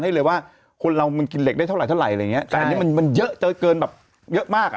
ให้เลยว่าคนเรามันกินเหล็กได้เท่าไหเท่าไหร่อะไรอย่างเงี้แต่อันนี้มันมันเยอะเจอเกินแบบเยอะมากอ่ะ